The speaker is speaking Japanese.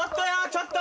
ちょっと！